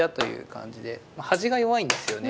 端が弱いんですよね。